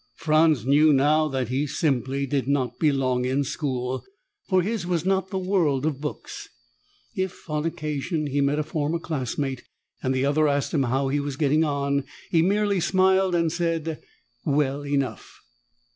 Franz knew now that he simply did not belong in school, for his was not the world of books. If, on occasion, he met a former classmate, and the other asked him how he was getting on, he merely smiled and said well enough.